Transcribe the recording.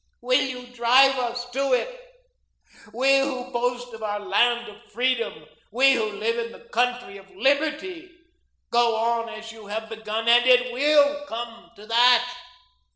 Will you drive us to it? We who boast of our land of freedom, we who live in the country of liberty? Go on as you have begun and it WILL come to that.